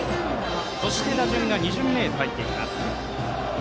そして、打順は２巡目に入っていきます。